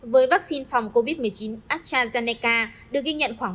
với vaccine phòng covid một mươi chín astrazeneca được ghi nhận khoảng bốn mươi